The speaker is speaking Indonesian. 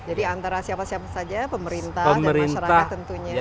jadi antara siapa siapa saja pemerintah dan masyarakat tentunya